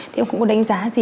thì ông cũng có đánh giá gì